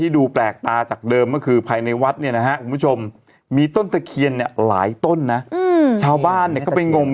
ดูดิใหญ่มากเลยอ่ะงูเหลือม